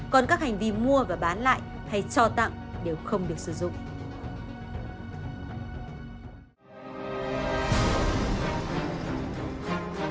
còn các hành vi mua và bán lại hay cho tặng đều không được sử dụng